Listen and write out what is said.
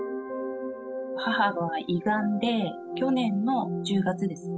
母は胃がんで、去年の１０月です。